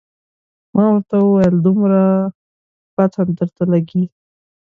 ما ورته وویل دومره پته درته لګي.